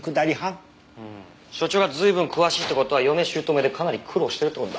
所長が随分詳しいって事は嫁姑でかなり苦労してるって事だ。